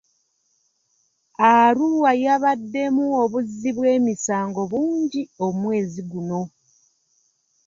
Arua yabaddemu obuzzi bw'emisango bungi omwezi guno.